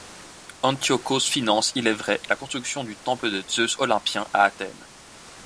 Antiochos finance, il est vrai, la construction du temple de Zeus Olympien à Athènes.